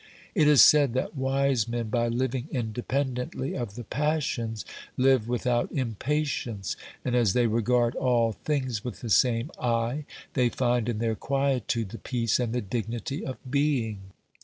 It is said that wise men, by living independently of the passions, live without impatience, and as they regard all i6o OBERMANN things with the same eye, they find in their quietude the peace and the dignity of being.